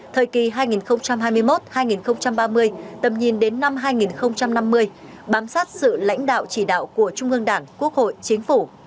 thời kỳ hai nghìn hai mươi một hai nghìn ba mươi tầm nhìn đến năm hai nghìn năm mươi bám sát sự lãnh đạo chỉ đạo của trung ương đảng quốc hội chính phủ